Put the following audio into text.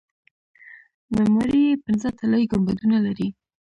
معماري یې پنځه طلایي ګنبدونه لري.